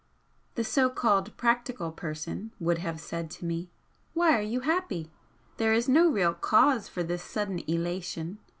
The so called 'practical' person would have said to me: 'Why are you happy?' There is no real cause for this sudden elation.